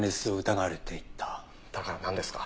だからなんですか？